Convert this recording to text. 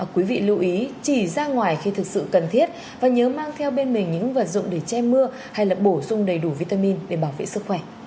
quý vị lưu ý chỉ ra ngoài khi thực sự cần thiết và nhớ mang theo bên mình những vật dụng để che mưa hay là bổ sung đầy đủ vitamin để bảo vệ sức khỏe